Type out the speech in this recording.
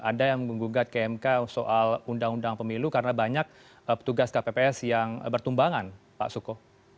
ada yang menggugat ke mk soal undang undang pemilu karena banyak petugas kpps yang bertumbangan pak suko